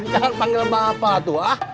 jangan panggil bapak tuh ah